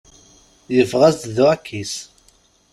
Yeffeɣ-as-d d uɛkis.